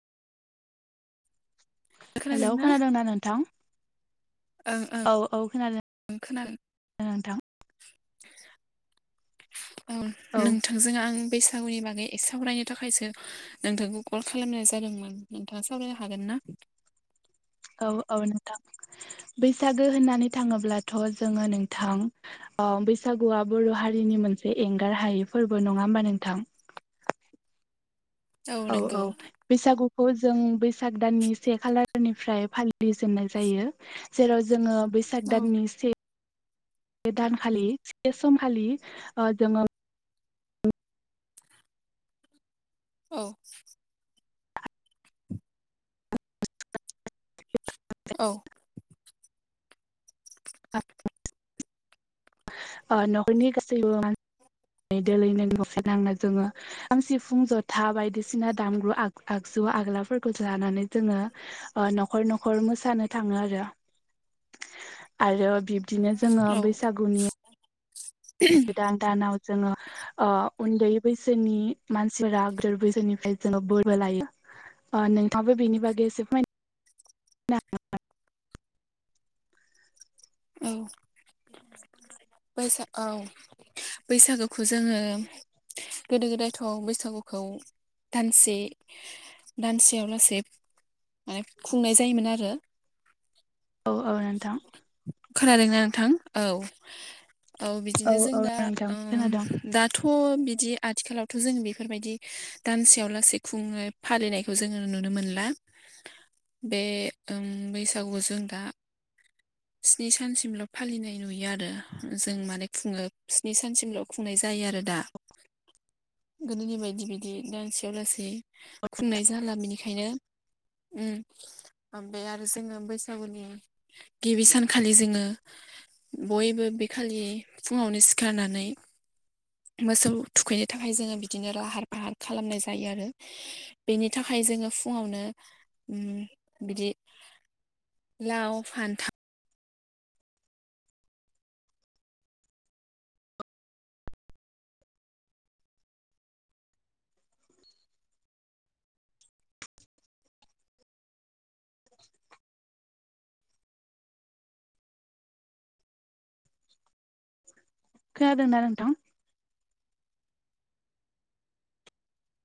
Hello खोनादोंना खोनादोंदा नोंथां? ओं [inaudible] औ औ खोनादों। ओं खोनादों नोंथां [inaudible] ओं औ नोंथांजों आं बैसागुनि बागै एसे सावरायनो थाखायसो नोंथांखौ कल खालामनाय जादोंमोन नोंथाङा सावरायनो हागोन ना? ना औ औ नोंथां बैसागो होननानै थाङोब्लाथ' जोङो नोंथां अ बैसागुआ बर' हारिनि मोनसे एंगार हायै फोर्बो नङा होमबा नोंथां? [inaudible] औ औ बैसागु खौ जों बैसाग दाननि से खालारनिफ्राय फालिजेननाय जायो जेराव जोङो बैसाग औ दाननि से बे दानखालि से समखालि ओ जोङो औ औ ओ नखरनि गोसैबो मान ओय दोलै [unintelligible] नांना जोङो आं सिफुं जथा बायदिसिना दामग्रु आग आगजु जु आग्लाफोरखौ लानानै जोङो ओ न'खर न'खर मोसानो थाङो आरो आरो बिब्दिनो जोङो औ बैसागुनि गोदान दानाव जोङो ओ उन्दै बैसोनि मानसिफोरा [unintelligible] बैसोनिफ्राय जोङो बोरबो लायो ओ नोंथाबो बेनि बागै एसे फोरमायनो [inaudible] उम [inaudible] बैसाग औ, बैसागोखौ जोङो गोदो गोदायथ' बैसागुखौ दानसे दानसेयाव लासे माने खुंनाय जायोमोन आरो। औ औ नोंथां खोनादों ना नोंथां? औ। औ बिदिनो जों ओम औ दा नोंथां खोनादों दाथ' बिदि आथिखालावथ' जों बेफोरबायदि दानसेयाव दानसे खुङे फालिनायखौ जोङो नुनो मोनला। बे ओं बैसागुआव जों दा स्नि सानसिमल' फालिनाय नुयो आरो, जों माने खुङो स्नि सानसिमल' खुंनाय जा यो आरो दा। गोदोनि बायदि बिदि दानसेयाव लासै खुंनाय जाला बेनिखायनो उम ओमफ्राय आरो जोङो बैसागुनि गिबि सानखालि जोङो बयबो बे खालि फुङावनो सिखारनानै मोसौ थुखैनो थाखाय जोङो बिदिनो लाहार फाहार खालामनाय जायो आरो बेनि थाखाय जोङो फुंआवनो उम बिदि लाव, फानथाव [inaudible] खोनादोंना नोंथां?